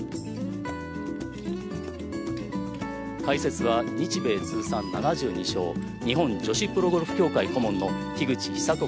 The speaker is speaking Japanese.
解説は日米通算７２勝日本女子プロゴルフ協会の樋口久子